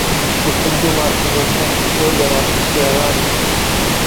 گرتم دوو ماچم لێ سەند وەی لە ڕاستەی خیابانێ